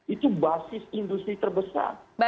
itu basis industri terbesar